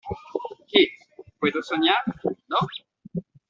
Qué, puedo soñar ,¿ no?